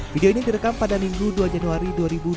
video ini direkam pada minggu dua januari dua ribu dua puluh